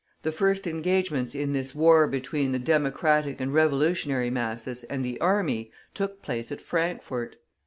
The first engagements in this war between the democratic and revolutionary masses and the army took place at Frankfort.